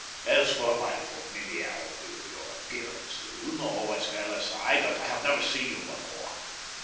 "As for my familiarity with your appearance, you know as well as I that I have never seen you before.